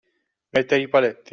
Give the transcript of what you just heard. Mettere i paletti.